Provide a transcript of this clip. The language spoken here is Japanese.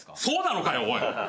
そうなのかよおい！